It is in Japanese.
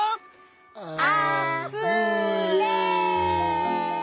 あふれ！